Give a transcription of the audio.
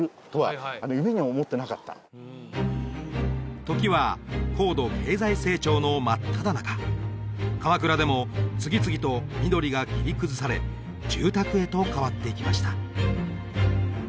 もう時は高度経済成長の真っただ中鎌倉でも次々と緑が切り崩され住宅へと変わっていきました